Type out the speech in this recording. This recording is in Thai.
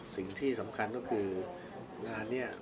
สิ่งที่สำคัญก็คืองานนี้